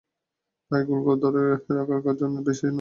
তাই গোল দিয়ে ধরে রাখার দিকেই বেশি নজর কোচ রুই ক্যাপেলার।